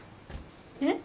えっ？